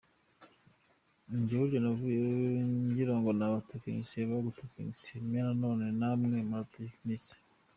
Jyewe burya navuyeyo ngirango ni abatekinisiye bagutekinitse Mayor none namwe muradutekinitse.